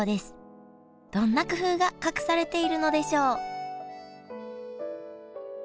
どんな工夫が隠されているのでしょう？